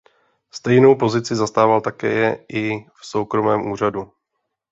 Stejnou pozici zastával také i v soukromém úřadu.